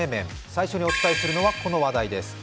最初にお伝えするのはこの話題です。